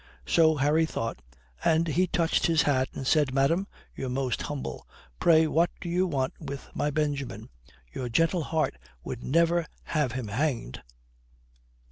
So Harry thought, and he touched his hat and said: "Madame, your most humble. Pray what do you want with my Benjamin? Your gentle heart would never have him hanged."